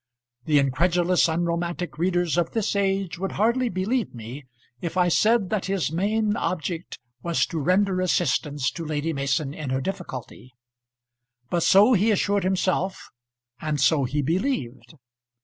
The incredulous unromantic readers of this age would hardly believe me if I said that his main object was to render assistance to Lady Mason in her difficulty; but so he assured himself, and so he believed.